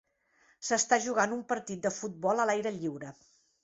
S'està jugant un partit de futbol a l'aire lliure.